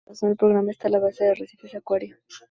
En el corazón del programa está la Base de Arrecifes Acuario.